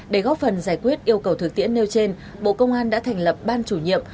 để góp phần giải quyết yêu cầu thực tiễn nêu trên bộ công an đã thành lập ban chủ nhiệm